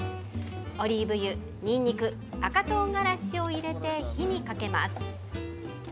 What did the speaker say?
オリーブ油、にんにく、赤とうがらしを入れて火にかけます。